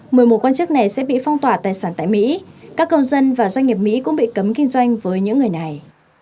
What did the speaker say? một mươi một quan chức này sẽ bị phong tỏa tài sản tại mỹ các công dân và doanh nghiệp mỹ cũng bị cấm kinh doanh với những người này